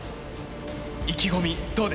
意気込みどうですか？